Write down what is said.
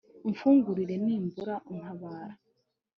umfungurire; nimbura untabara